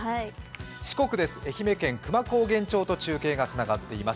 四国です、愛媛県久万高原町と映像がつながっています。